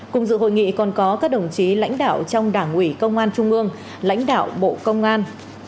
cùng dự hội nghị còn có các đồng chí lãnh đạo trong đảng ủy công an trung ương lãnh đạo bộ công an